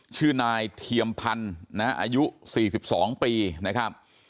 ชื่อนายเทียมพันธ์อายุ๔๒ปีนะครับ